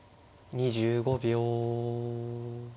２５秒。